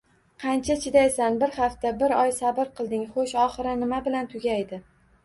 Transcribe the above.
Qancha chidaysan, bir hafta, bir oy sabr qilding, xo'sh, oxiri nima bilan tugaydi?